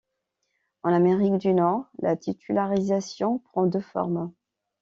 En Amérique du Nord, la titularisation prend deux formes.